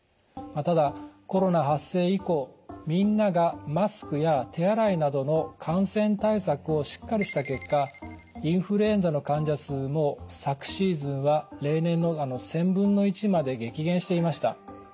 ただコロナ発生以降みんながマスクや手洗いなどの感染対策をしっかりした結果インフルエンザの患者数も昨シーズンは例年の１０００分の１まで激減していました。